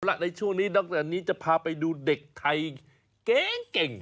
แล้วล่ะในช่วงนี้ดรนี่จะพาไปดูเด็กไทยเก่ง